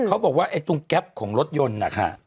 เขาบอกว่าไอ้ตรงแก๊ปของรถยนต์นะคะ